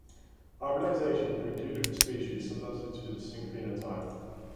Hybridization between two different species sometimes leads to a distinct phenotype.